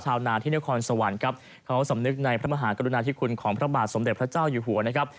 ชาวนาที่นครสวรรค์ครับเขาสำนึกในพระมหากรุณาธิคุณของพระบาทสมเด็จพระเจ้าอยู่หัวนะครับ